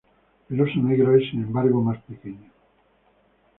El oso negro es sin embargo más pequeño.